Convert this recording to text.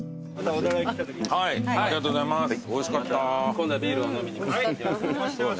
ありがとうございます。